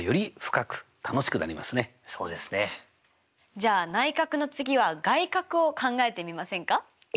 じゃあ内角の次は外角を考えてみませんか？